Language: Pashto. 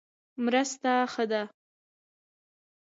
مرسته ښه ده.